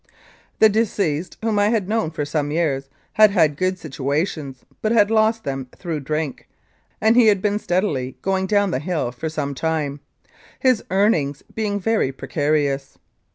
The deceased, whom I had known for some years, had had good situations, but had lost them through drink, and he had been steadily going down the hill for some time, his earnings being very precarious.